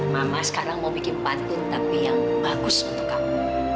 mama sekarang mau bikin patung tapi yang bagus untuk kamu